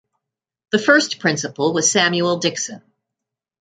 The first Principal was Samuel Dixon.